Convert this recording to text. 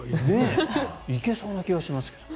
いけそうな気がしますが。